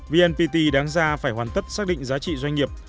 vnpt đáng ra phải hoàn tất xác định giá trị doanh nghiệp